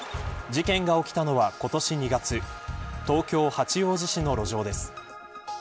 事件が起きたのは今年２月東京、八王子市の路上です。